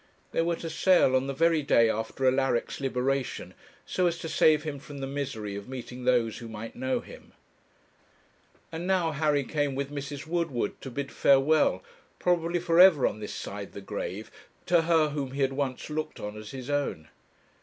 They were to sail on the very day after Alaric's liberation, so as to save him from the misery of meeting those who might know him. And now Harry came with Mrs. Woodward to bid farewell, probably for ever on this side the grave, to her whom he had once looked on as his own.